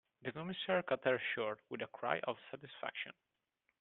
The Commissaire cut her short with a cry of satisfaction.